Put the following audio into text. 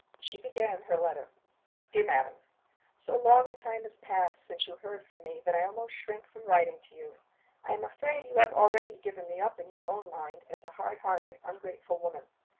She began her letter. "DEAR MADAM So long a time has passed since you heard from me that I almost shrink from writing to you. I am afraid you have already given me up in your own mind as a hard hearted, ungrateful woman.